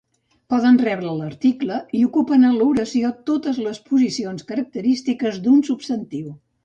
Poden rebre l'article i ocupen en l'oració totes les posicions característiques d'un substantiu.